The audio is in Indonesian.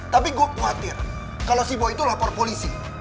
tapi gue khawatir kalau si bo itu lapor polisi